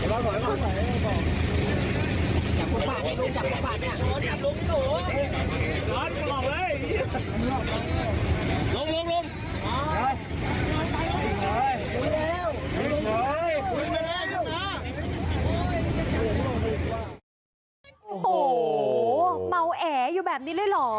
โอ้โหเมาแออยู่แบบนี้เลยเหรอ